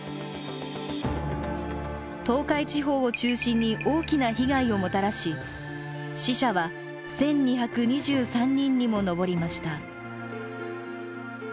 東海地方を中心に大きな被害をもたらし死者は１，２２３人にも上りました。